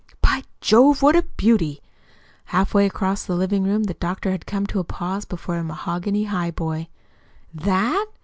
"By Jove, what a beauty!" Halfway across the living room the doctor had come to a pause before the mahogany highboy. "THAT?"